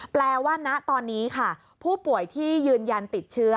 แปลว่าณตอนนี้ค่ะผู้ป่วยที่ยืนยันติดเชื้อ